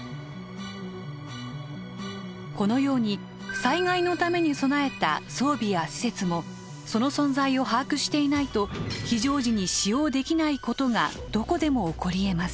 このように災害のために備えた装備や施設もその存在を把握していないと非常時に使用できないことがどこでも起こりえます。